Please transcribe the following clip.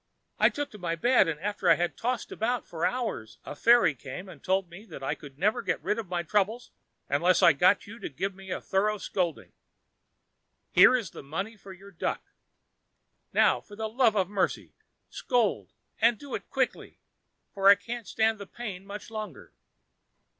I took to my bed, and after I had tossed about for hours a fairy came and told me that I could never get rid of my trouble unless I got you to give me a thorough scolding. Here is the money for your duck. Now for the love of mercy, scold, and do it quickly, for I can't stand the pain much longer."